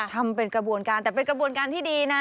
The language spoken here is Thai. ทำเป็นกระบวนการแต่เป็นกระบวนการที่ดีนะ